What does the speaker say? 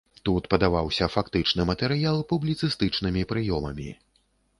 Тут падаваўся фактычны матэрыял публіцыстычнымі прыёмамі.